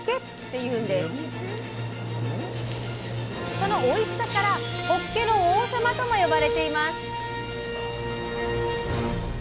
そのおいしさから「ほっけの王様」とも呼ばれています。